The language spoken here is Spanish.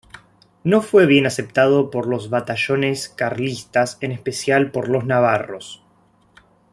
No fue bien aceptado por los batallones carlistas, en especial por los navarros.